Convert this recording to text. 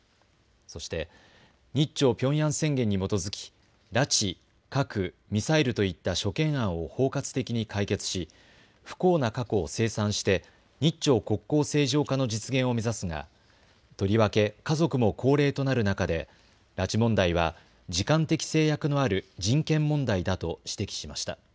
そして日朝ピョンヤン宣言に基づき、拉致・核・ミサイルといった諸懸案を包括的に解決し不幸な過去を清算して日朝国交正常化の実現を目指すがとりわけ家族も高齢となる中で拉致問題は時間的制約のある人権問題だと指摘しました。